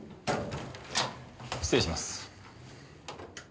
失礼します。